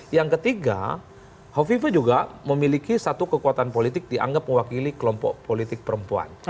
yang ketiga hovifah juga memiliki satu kekuatan politik dianggap mewakili kelompok politik perempuan